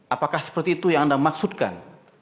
apakah seperti itu yang anda maksudkan